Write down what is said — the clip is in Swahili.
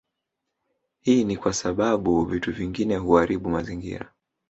Hii ni kwa sababu vitu vingine huaribu mazingira